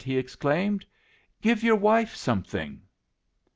he exclaimed; "give your wife something."